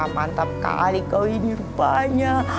mantap kali kau ini banyak